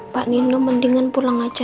pak nino mendingan pulang aja